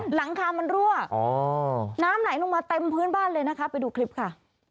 หลังคามันรั่วน้ำไหลลงมาเต็มพื้นบ้านเลยนะคะไปดูคลิปค่ะ